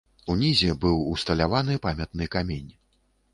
Унізе быў усталяваны памятны камень.